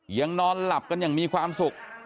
ยังนอนหลับกันอย่างมีความสุข